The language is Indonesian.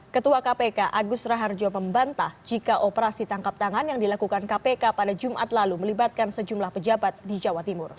ketua kpk agus raharjo membantah jika operasi tangkap tangan yang dilakukan kpk pada jumat lalu melibatkan sejumlah pejabat di jawa timur